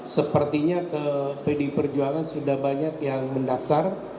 sepertinya ke pdi perjuangan sudah banyak yang mendasar